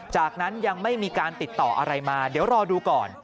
จากนั้นยังไม่มีการติดต่ออะไรมาเดี๋ยวรอดูก่อน